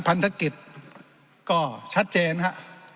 พันธกิจก็ชัดเจนฮะ